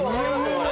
これ。